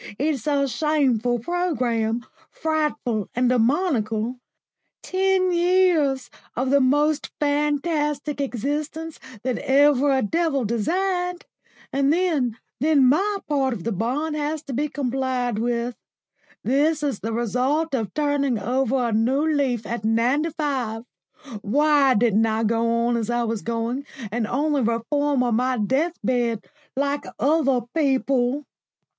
It's a shameful programme frightful and demoniacal: ten years of the most fantastic existence that ever a devil designed, and then then my part of the bond has to be complied with. This is the result of turning over a new leaf at ninety five. Why didn't I go on as I was going, and only reform on my death bed like other people?"